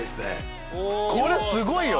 これすごいよ。